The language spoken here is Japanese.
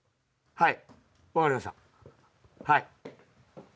はい。